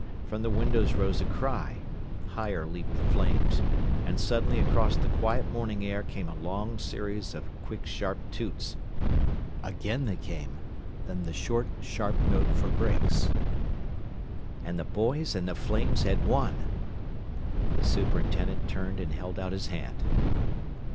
From the windows rose a cry. Higher leaped the flames. And suddenly across the quiet morning air came a long series of quick sharp toots. Again they came then the short, sharp note for brakes. [Illustration: WITH THE SHARP WORDS HE AGAIN GRASPED THE KEY.] And the boys and the flames had won! The superintendent turned and held out his hand.